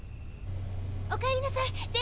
おかえりなさい。